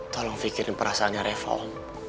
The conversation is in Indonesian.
tolong fikirin perasaannya reva om